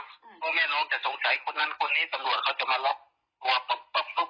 พอลูกต้องเอาเขาไปสอบก็ปุ่มจริงที่ดีมาเที่ยมยูง